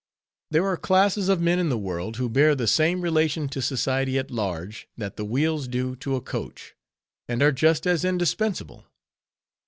There are classes of men in the world, who bear the same relation to society at large, that the wheels do to a coach: and are just as indispensable.